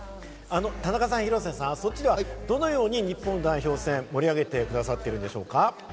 田中さん、広瀬さん、そっちではどのように日本代表戦を盛り上げてくださっているんでしょうか？